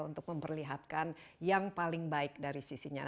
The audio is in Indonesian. untuk memperlihatkan yang paling baik dari sisinya